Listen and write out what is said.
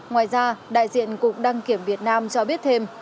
ngoài ra đại diện cục đăng kiểm việt nam cho biết thêm